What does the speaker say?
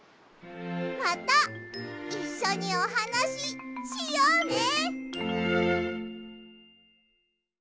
またいっしょにおはなししようね！